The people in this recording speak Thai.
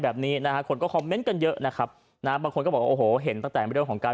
บางคนก็บอกว่าโอ้โหเห็นตั้งแต่วิดีโอของการ